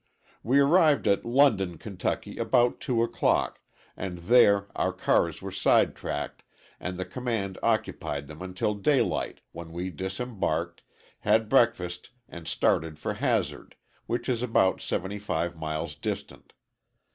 We arrived at London, Ky., about two o'clock, and there our cars were sidetracked and the command occupied them until daylight, when we disembarked, had breakfast and started for Hazard, which is about 75 miles distant.